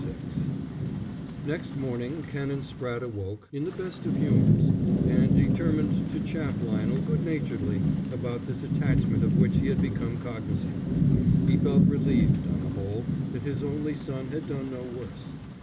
VI Next morning Canon Spratte awoke in the best of humours, and determined to chaff Lionel good naturedly about this attachment of which he had become cognisant. He felt relieved, on the whole, that his only son had done no worse.